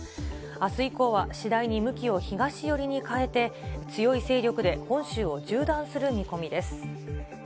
あす以降は次第に向きを東寄りに変えて、強い勢力で本州を縦断する見込みです。